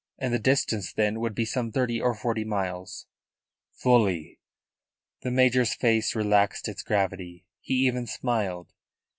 "And the distance, then, would be some thirty or forty miles?" "Fully." The major's face relaxed its gravity. He even smiled.